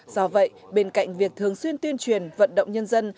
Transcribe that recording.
do vậy bên cạnh việc thường xuyên tuyên truyền vận động nhân dân